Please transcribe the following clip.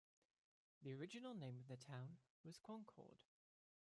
The original name of the town was Concord.